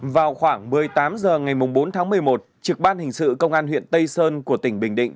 vào khoảng một mươi tám h ngày bốn tháng một mươi một trực ban hình sự công an huyện tây sơn của tỉnh bình định